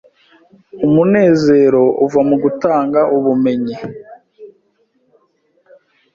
umunezero uva mu gutanga ubumenyi